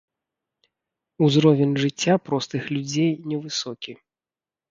Узровень жыцця простых людзей невысокі.